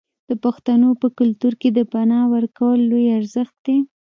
د پښتنو په کلتور کې د پنا ورکول لوی ارزښت دی.